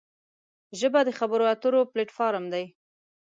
ژبه د خبرو اترو پلیټ فارم دی